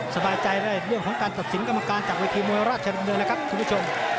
สบายใจได้เรื่องของการตัดสินกรรมการจากเวทีมวยราชดำเนินนะครับคุณผู้ชม